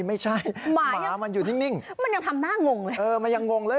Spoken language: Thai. ไม่ใช่หมามันอยู่นิ่งมันยังทำหน้างงเลยเออมันยังงงเลย